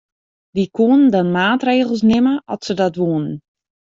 Dy koenen dan maatregels nimme at se dat woenen.